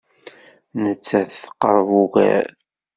Nettat teqreb ugar.